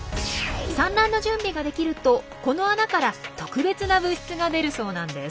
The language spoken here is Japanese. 産卵の準備ができるとこの穴から特別な物質が出るそうなんです。